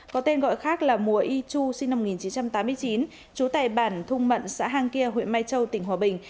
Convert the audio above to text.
có tên gọi khác là mùa y chu sinh năm một nghìn chín trăm tám mươi chín chú tài bản thung mận xã hang kia huyện mai châu tỉnh hòa bình